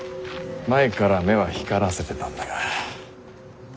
前から目は光らせてたんだが。